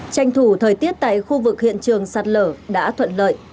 tranh thủ thời tiết tại khu vực hiện trường sạt lở đã thuận lợi